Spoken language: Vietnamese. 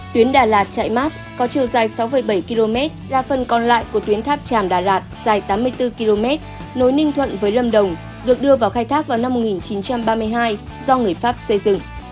tuyến đà lạt chạy mát có chiều dài sáu bảy km là phần còn lại của tuyến tháp tràm đà lạt dài tám mươi bốn km nối ninh thuận với lâm đồng được đưa vào khai thác vào năm một nghìn chín trăm ba mươi hai do người pháp xây dựng